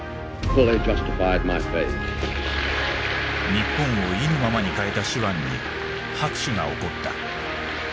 日本を意のままに変えた手腕に拍手が起こった。